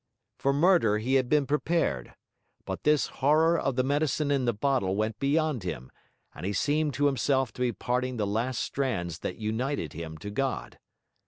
For murder he had been prepared; but this horror of the medicine in the bottle went beyond him, and he seemed to himself to be parting the last strands that united him to God.